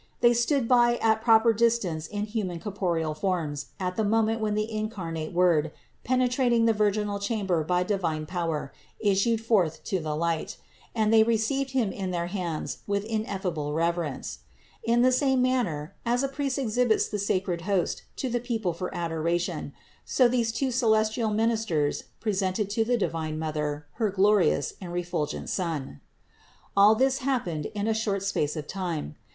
They stood by at proper distance in human corporeal forms at the moment when the incarnate Word, penetrating the vir ginal chamber by divine power, issued forth to the light, THE INCARNATION 403 and they received Him in their hands with ineffable rev erence. In the same manner as a priest exhibits the sacred host to the people for adoration, so these two celestial ministers presented to the divine Mother her glorious and refulgent Son. All this happened in a short space of time.